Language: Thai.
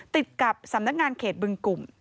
ติดกับสำนักงานเขตบึงกลุ่ม